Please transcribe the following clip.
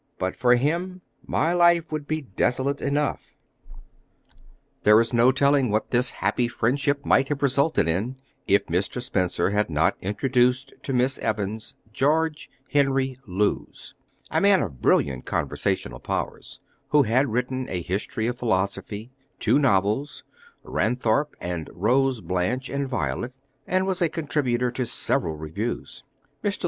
But for him my life would be desolate enough." There is no telling what this happy friendship might have resulted in, if Mr. Spencer had not introduced to Miss Evans, George Henry Lewes, a man of brilliant conversational powers, who had written a History of Philosophy, two novels, Ranthorpe, and Rose, Blanche, and Violet, and was a contributor to several reviews. Mr.